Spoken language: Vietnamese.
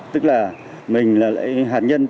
tức là mình là lợi hạt nhân